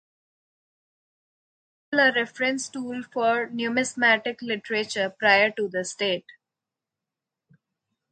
It is still a reference tool for numismatic literature prior to this date.